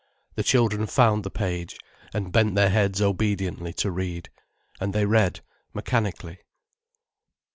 The children found the page, and bent their heads obediently to read. And they read, mechanically.